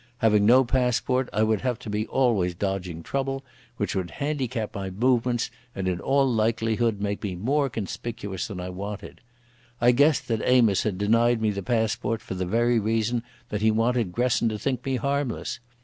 Having no passport I would have to be always dodging trouble, which would handicap my movements and in all likelihood make me more conspicuous than I wanted. I guessed that Amos had denied me the passport for the very reason that he wanted Gresson to think me harmless.